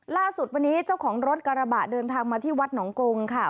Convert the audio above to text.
ล่าสุดวันนี้เจ้าของรถกระบะเดินทางมาที่วัดหนองกงค่ะ